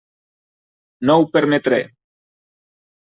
No ho permetré.